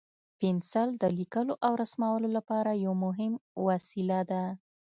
پنسل د لیکلو او رسمولو لپاره یو مهم وسیله ده.